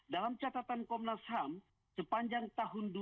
dalam catatan komnas ham sepanjang tahun dua ribu dua puluh